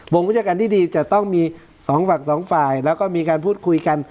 วิชาการที่ดีจะต้องมีสองฝั่งสองฝ่ายแล้วก็มีการพูดคุยกัน